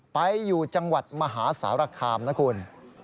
ไปอยู่จังหวัดมหาสารคามนะคุณ